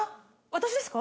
私ですか？